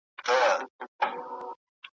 لا تر څو به دا سړې دا اوږدې شپې وي ,